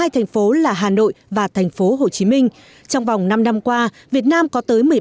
hai thành phố là hà nội và thành phố hồ chí minh trong vòng năm năm qua việt nam có tới một mươi ba sáu tổng